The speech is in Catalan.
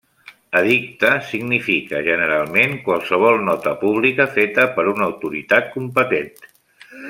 Edicte significa, generalment, qualsevol nota pública feta per una autoritat competent.